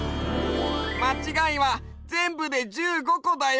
まちがいはぜんぶで１５こだよ！